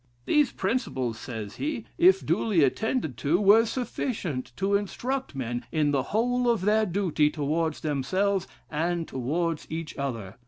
'These principles,' says he, 'if duly attended to, were sufficient to instruct men in the whole of their duty towards themselves, and towards each other.